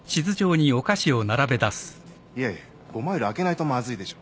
いやいや５マイル空けないとまずいでしょ。